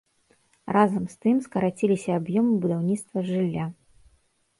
Разам з тым скараціліся аб'ёмы будаўніцтва жылля.